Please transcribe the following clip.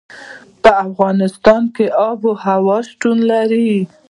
په افغانستان کې آب وهوا شتون لري.